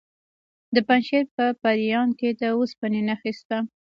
د پنجشیر په پریان کې د اوسپنې نښې شته.